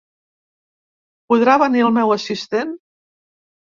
Podrà venir el meu assistent?